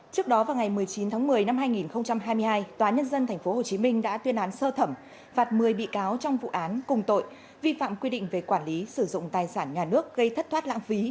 trước đó vào ngày một mươi chín tháng một mươi năm hai nghìn hai mươi hai tòa nhân dân tp hcm đã tuyên án sơ thẩm phạt một mươi bị cáo trong vụ án cùng tội vi phạm quy định về quản lý sử dụng tài sản nhà nước gây thất thoát lãng phí